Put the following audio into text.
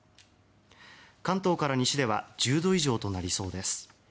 関東から西では１０度以上となりそうです。